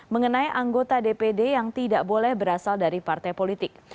mengenai anggota dpd yang tidak boleh berasal dari partai politik